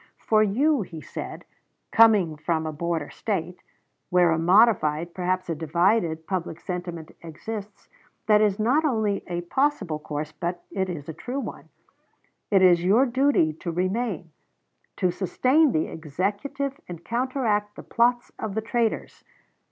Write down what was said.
"For you," he said, "coming from a border State, where a modified, perhaps a divided, public sentiment exists, that is not only a possible course, but it is a true one; it is your duty to remain, to sustain the Executive and counteract the plots of the traitors.